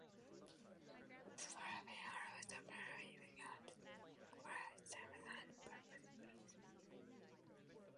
Refried beans are also a primary ingredient in many tostada, chimichanga, and pupusa recipes.